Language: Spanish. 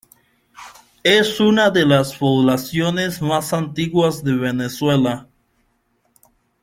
Es una de las poblaciones más antiguas de Venezuela.